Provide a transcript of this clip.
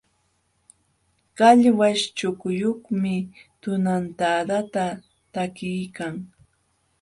Qallwaśh chukuyuqmi tunantadata takiykan.